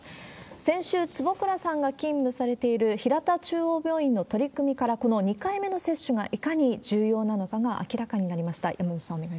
先週、坪倉さんが勤務されている、ひらた中央病院の取り組みから、この２回目の接種がいかに重要なのかが明らかになりました。